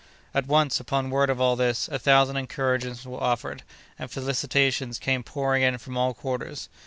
At once, upon word of all this, a thousand encouragements were offered, and felicitations came pouring in from all quarters.